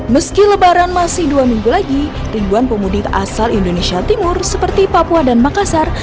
meski lebaran masih dua minggu lagi ribuan pemudik asal indonesia timur seperti papua dan makassar